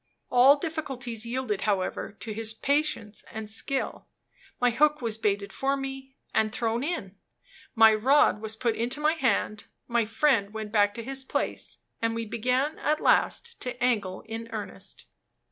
All difficulties yielded, however, to his patience and skill; my hook was baited for me, and thrown in; my rod was put into my hand; my friend went back to his place; and we began at last to angle in earnest.